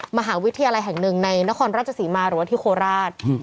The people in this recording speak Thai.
มหาวิทยาลัยแห่งหนึ่งในนครราชศรีมาหรือว่าที่โคราช